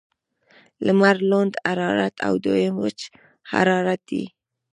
لمړی لوند حرارت او دویم وچ حرارت دی.